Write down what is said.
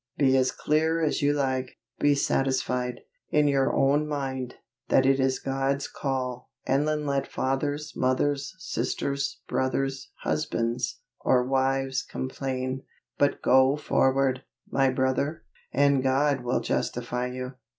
Be as clear as you like; be satisfied, in your own mind, that it is God's call, and then let fathers, mothers, sisters, brothers, husbands, or wives complain but go forward, my brother, and God will justify you.